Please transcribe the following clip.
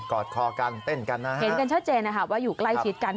อดคอกันเต้นกันนะฮะเห็นกันชัดเจนนะคะว่าอยู่ใกล้ชิดกัน